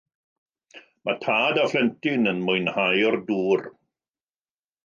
Mae tad a phlentyn yn mwynhau'r dŵr.